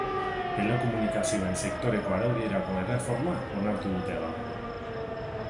Telekomunikazioen sektoreko araudirako erreforma onartu dute gaur.